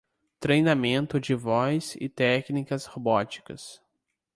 Treinamento de voz e técnicas robóticas